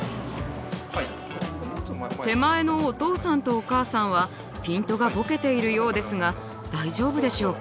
手前のおとうさんとおかあさんはピントがボケているようですが大丈夫でしょうか？